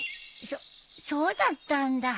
そっそうだったんだ。